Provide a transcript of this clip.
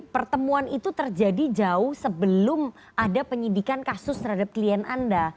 pertemuan itu terjadi jauh sebelum ada penyidikan kasus terhadap klien anda